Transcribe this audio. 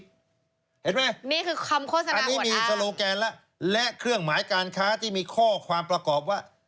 เห็นไหมอันนี้มีโซโลแกนแล้วและเครื่องหมายการค้าที่มีข้อความประกอบว่า